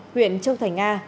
huyện châu thành a